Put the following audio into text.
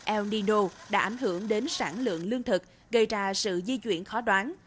el nino đã ảnh hưởng đến sản lượng lương thực gây ra sự di chuyển khó đoán